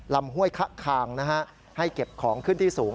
ห้วยคะคางนะฮะให้เก็บของขึ้นที่สูง